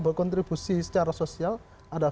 berkontribusi secara sosial ada